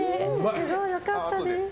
すごい、良かったです。